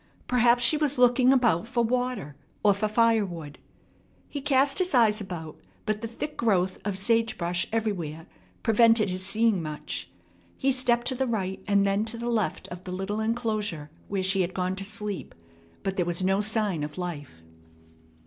Perhaps she was looking about for water, or for fire wood. He cast his eyes about, but the thick growth of sage brush everywhere prevented his seeing much. He stepped to the right and then to the left of the little enclosure where she had gone to sleep, but there was no sign of life.